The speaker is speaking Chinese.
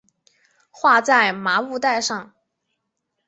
画在麻布袋上